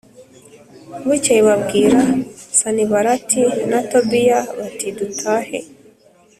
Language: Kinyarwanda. Bukeye babwira Sanibalati na Tobiya bati Dutahe